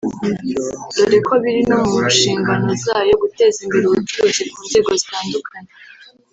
dore ko biri no mu nshingano zayo guteza imbere ubucuruzi ku nzego zitandukanye